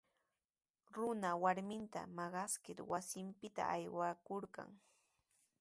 Runa warminta maqaskir wasinpita aywakurqan.